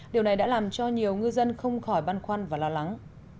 điều này đã làm cho nhiều ngư dân không khỏi băn khoăn và lo lắng